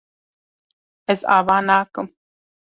Ez ava nakim.